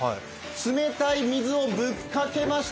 冷たい水をぶっかけました。